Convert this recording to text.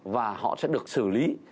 và họ sẽ được xử lý